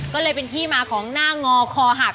ก็เลยเป็นที่มาของหน้างอคอหัก